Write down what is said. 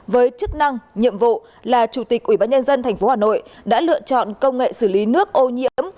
với chức năng nhiệm vụ là chủ tịch ubnd tp hà nội đã lựa chọn công nghệ xử lý nước ô nhiễm